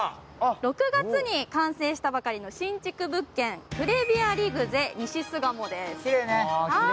６月に完成したばかりの新築物件、クレヴィアリグゼ西巣鴨です。